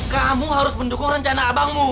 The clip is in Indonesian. kamu harus mendukung rencana abangmu